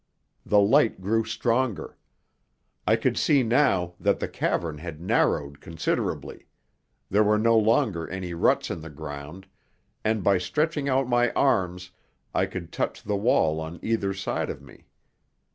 The light grew stronger. I could see now that the cavern had narrowed considerably: there were no longer any ruts in the ground, and by stretching out my arms I could touch the wall on either side of me.